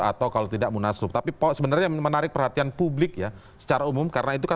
atau kalau tidak munaslup tapi sebenarnya menarik perhatian publik ya secara umum karena itu kan